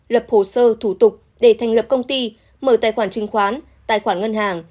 lập hồ sơ thủ tục để thành lập công ty mở tài khoản chứng khoán tài khoản ngân hàng